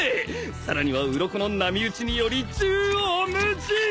さらにはうろこの波打ちにより縦横無尽！